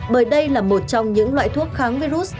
bởi đây là một trong những loại thuốc kháng virus